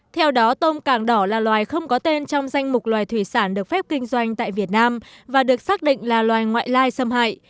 theo đó tôm càng đỏ là loài không có tên trong danh mục loài thủy sản được phép kinh doanh tại việt nam và được xác định là loài ngoại lai xâm hại